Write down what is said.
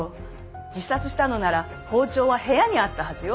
自殺したのなら包丁は部屋にあったはずよ。